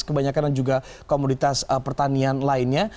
kebanyakan dan juga komoditas pertanian lainnya